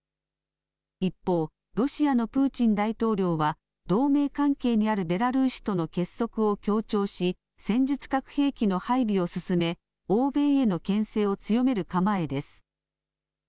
一方、ロシアのプーチン大統領は、同盟関係にあるベラルーシとの結束を強調し、戦術核兵器の配備を進め、欧米へのけん制を強める構えです。